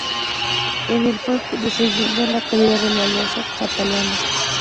En el fue decayendo la calidad de la loza catalana.